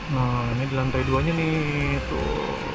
nah ini di lantai dua nya nih tuh